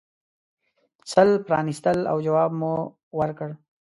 سل پرانیستل او جواب مو ورکړ.